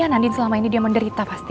kasian andin selama ini dia menderita pasti